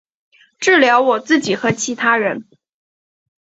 治疗我自己和其他人